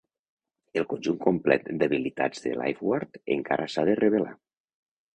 El conjunt complet d'habilitats de Lifeguard encara s'ha de revelar.